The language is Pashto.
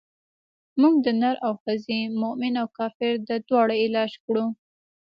موږ د نر او ښځې مومن او کافر د دواړو علاج کړو.